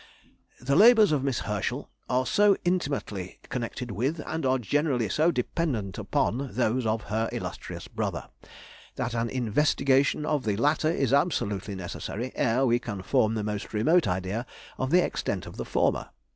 The labours of Miss Herschel are so intimately connected with, and are generally so dependent upon, those of her illustrious brother, that an investigation of the latter is absolutely necessary ere we can form the most remote idea of the extent of the former.